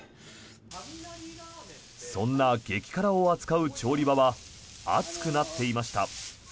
そんな激辛を扱う調理場は暑くなっていました。